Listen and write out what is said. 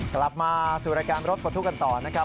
กลับมาสู่รายการรถปลดทุกข์กันต่อนะครับ